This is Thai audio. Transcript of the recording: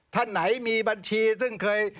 ท่านไหนมีบัญชีซึ่งเคย